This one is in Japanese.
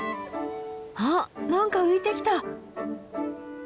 あっ何か浮いてきた！